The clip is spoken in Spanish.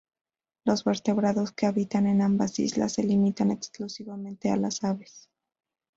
Los vertebrados que habitan en ambas islas se limitan exclusivamente a las aves.